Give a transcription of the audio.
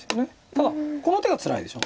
ただこの手がつらいでしょ？